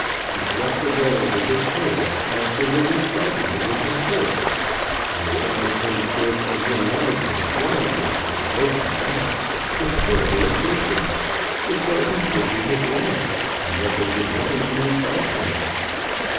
He swept the ground with his hair, absolutely striking it with his head; and the sounds came forth from him loudly, wildly, with broken gasps, with terrible exertion, as though each would be his last, and yet they did nothing to repress him.